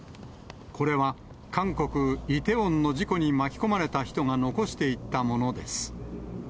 これは韓国・イテウォンの事故に巻き込まれた人が残していったものです。